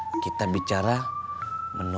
ini udah berapa ini